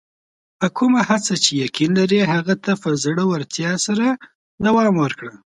په کومه هڅه چې یقین لرې، هغه ته په زړۀ ورتیا سره دوام ورکړه.